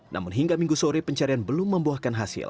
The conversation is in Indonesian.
namun hingga minggu sore pencarian tersebut tidak berhasil